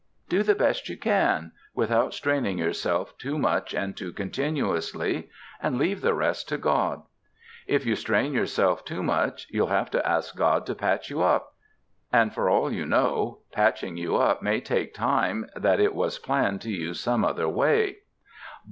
Do the best you can, without straining yourself too much and too continuously, and leave the rest to God. If you strain yourself too much you'll have to ask God to patch you up. And for all you know, patching you up may take time that it was planned to use some other way.